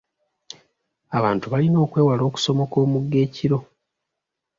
Abantu balina okwewala okusomoka omugga ekiro.